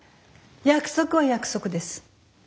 約束は約束です。